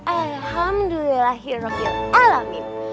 alhamdulillah hirap ya allah